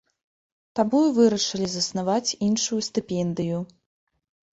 Таму і вырашылі заснаваць іншую стыпендыю.